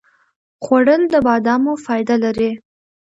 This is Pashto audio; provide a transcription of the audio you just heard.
خوړل د بادامو فایده لري